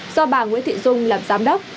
do bà nguyễn thị dung làm giám đốc